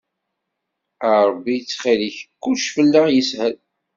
A Ṛebbi ttxil-k kullec fell-ak yeshel.